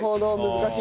難しい。